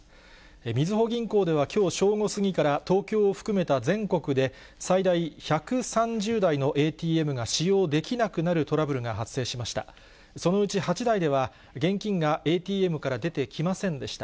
みずほ銀行ではきょう正午過ぎから、東京を含めた全国で、最大１３０台のＡＴＭが使用できなくなるトラブルが発生しました。